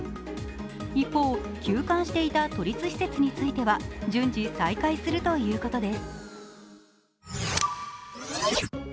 一方、休館していた都立施設については順次再開するということです。